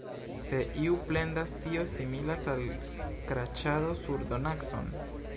Se iu plendas, tio similas al kraĉado sur donacon.